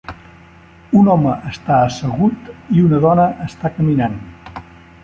Un home està assegut i una dona està caminant.